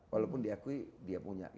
walaupun diakui dia punya